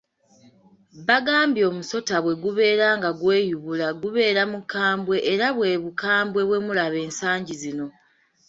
Bagambye omusota bwe gubeera nga gweyubula gubeera mukambwe era bwe bukambwe bwe mulaba ensangi zino.